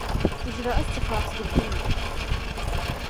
Wejdeɣ ad ṭṭixreɣ seg umkan-a.